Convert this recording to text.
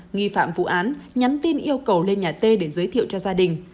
nghi phạm vụ án nhắn tin yêu cầu lên nhà t để giới thiệu cho gia đình